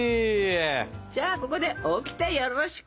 じゃあここでオキテよろしく。